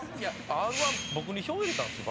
Ｒ−１僕に票入れたんですよ